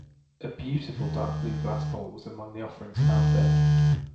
A beautiful dark blue glass bowl was among the offerings found there.